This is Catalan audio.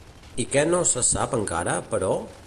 I què no se sap encara, però?